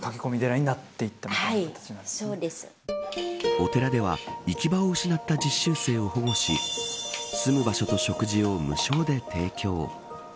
お寺では行き場を失った実習生を保護し住む場所と食事を無償で提供。